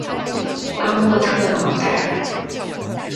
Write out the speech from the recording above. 拉莫特朗代尔龙。